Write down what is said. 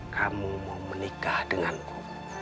kamu mau menikah denganku